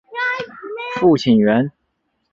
父亲袁。